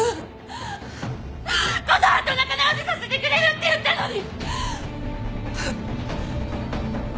琴葉と仲直りさせてくれるって言ったのに！